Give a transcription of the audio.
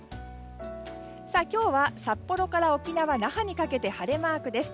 今日は札幌から沖縄・那覇にかけて晴れマークです。